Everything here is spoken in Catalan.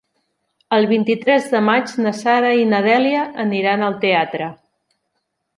El vint-i-tres de maig na Sara i na Dèlia aniran al teatre.